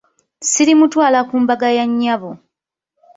Sirimutwala ku mbaga ya nnyabo.